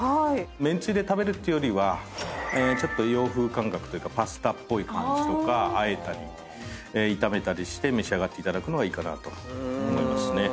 めんつゆで食べるっていうよりはちょっと洋風感覚というかパスタっぽい感じとかあえたり炒めたりして召し上がるのがいいかなと思いますね。